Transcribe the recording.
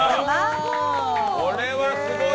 これはすごいよ！